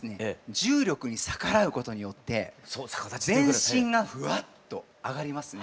重力に逆らうことによって全身がふわっと上がりますね。